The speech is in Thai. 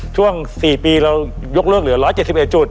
ช่วง๔ปีเรายกเลิกเหลือ๑๗๑จุด